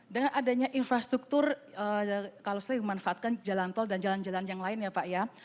dengan adanya infrastruktur kalau saya memanfaatkan jalan tol dan jalan jalan yang lain ya pak ya